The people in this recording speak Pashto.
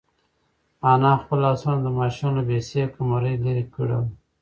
انا خپل لاسونه د ماشوم له بې سېکه مرۍ لرې کړل.